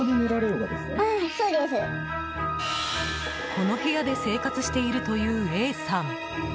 この部屋で生活しているというＡさん。